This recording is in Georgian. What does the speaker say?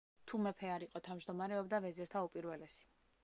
თუ მეფე არ იყო, თავმჯდომარეობდა „ვეზირთა უპირველესი“.